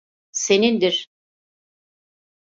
Senindir.